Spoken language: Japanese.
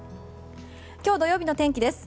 今日、土曜日の天気です。